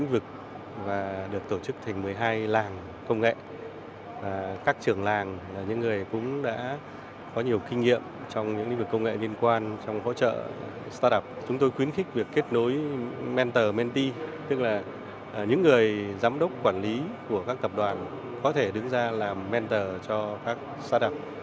những người giám đốc quản lý của các cập đoàn có thể đứng ra làm mentor cho các start up